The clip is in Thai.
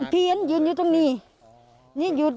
คุณผู้สายรุ่งมโสผีอายุ๔๒ปี